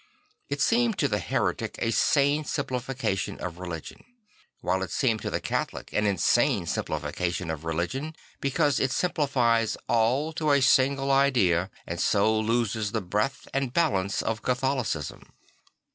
It seemed to the heretic a sane simplification of religion; while it seems to the Catholic an insane simplifi cation of religion, because it simplifies all to a single idea and so loses the breadth and balance of Catholicism.